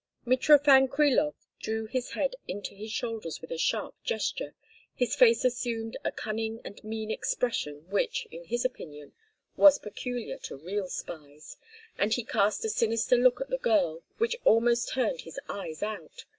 Mitrofan Krilov drew his head into his shoulders with a sharp gesture, his face assumed a cunning and mean expression which, in his opinion, was peculiar to real spies, and he cast a sinister look at the girl which almost turned his eyes out.